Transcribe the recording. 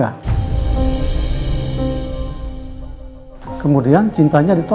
lalu dia dimiisi puji percintaan itu